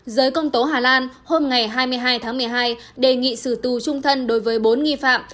giới công tố hà lan hôm ngày hai mươi hai tháng một mươi hai đề nghị xử tù trung thân đối với bốn nghi phạm